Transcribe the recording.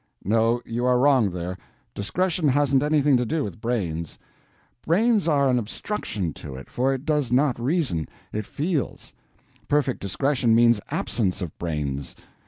"No, you are wrong there. Discretion hasn't anything to do with brains; brains are an obstruction to it, for it does not reason, it feels. Perfect discretion means absence of brains.